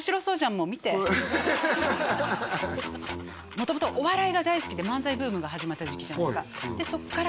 もう見て元々お笑いが大好きで漫才ブームが始まった時期じゃないですかでそっから